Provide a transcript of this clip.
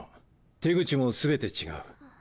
手口も全て違う。